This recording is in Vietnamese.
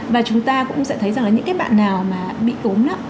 và chúng ta cũng sẽ thấy rằng là những cái bạn nào mà bị cố nặng